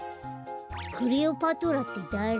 クレオパトラってだれ？